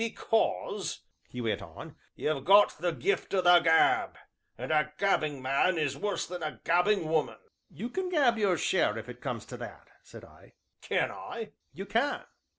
"Because," he went on, "you've got the gift o' the gab, and a gabbing man is worse than a gabbing woman." "You can gab your share, if it comes to that," said I. "Can I?" "You can."